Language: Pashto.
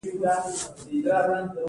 یا مو د هغه کرامت مراعات کړی دی.